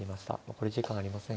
残り時間はありません。